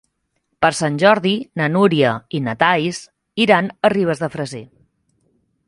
Per Sant Jordi na Núria i na Thaís iran a Ribes de Freser.